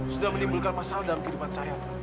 sudah menimbulkan masalah dalam kehidupan saya